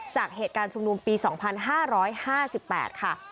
จากเหตุการณ์ชุมนุมปี๒๕๕๘ค่ะ